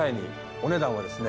お値段はですね